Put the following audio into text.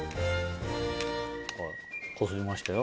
こすりましたよ？